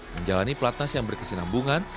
menjalani platnas yang berkesenambungan